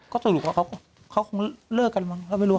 ก็สรุปว่าเขาคงเลิกกันมั้ง